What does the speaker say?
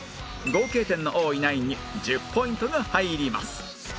合計点の多いナインに１０ポイントが入ります